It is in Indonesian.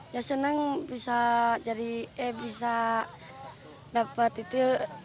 ya senang bisa dapat itu